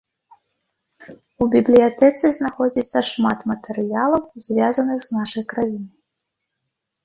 У бібліятэцы знаходзіцца шмат матэрыялаў, звязаных з нашай краінай.